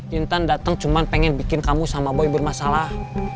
hintan dateng cuma pengen bikin kamu sama boy bermasalah